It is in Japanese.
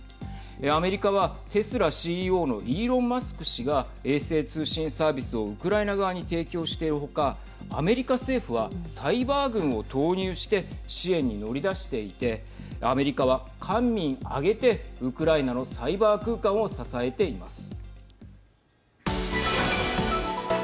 アメリカはテスラＣＥＯのイーロン・マスク氏が衛星通信サービスをウクライナ側に提供しているほかアメリカ政府はサイバー軍を投入して支援に乗り出していてアメリカは官民挙げてウクライナのサイバー空間を支えています。